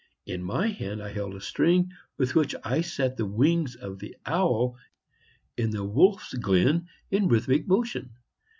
In my hand I held a string, with which I set the wings of the owl in the wolf's glen in rhythmic motion.